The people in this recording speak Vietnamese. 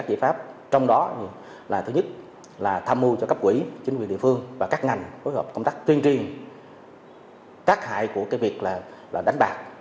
và trong người các đối tượng